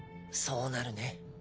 そうなるね。